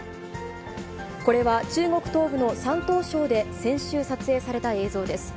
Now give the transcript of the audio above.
これは、中国東部の山東省で先週撮影された映像です。